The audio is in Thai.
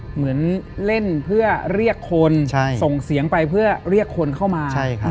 เหมือนเล่นเพื่อเรียกคนส่งเสียงไปเพื่อเรียกคนเข้ามา